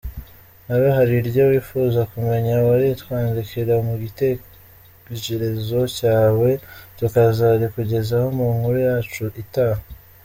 Nawe hari iryo wifuza kumenya waritwandikira mu gitejerezo cyawe tukazarikugezaho mu nkuru yacu itaha.